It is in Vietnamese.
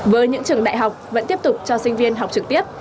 với những trường đại học vẫn tiếp tục cho sinh viên học trực tiếp